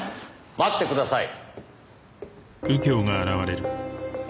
待ってください。